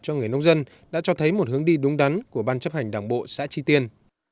cho người nông dân đã cho thấy một hướng đi đúng đắn của ban chấp hành đảng bộ xã tri tiên